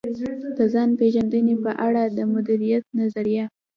د ځان پېژندنې په اړه د مديريت نظريه.